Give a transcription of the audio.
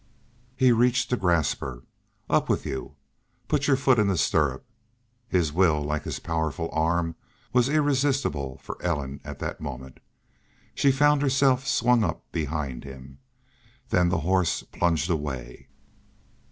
He reached to grasp her. "Up with y'u! ... Put your foot in the stirrup!" His will, like his powerful arm, was irresistible for Ellen at that moment. She found herself swung up behind him. Then the horse plunged away.